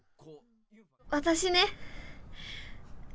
私ね。